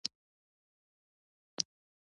له دې لارې رقیبانو مشروعیت ختم کړي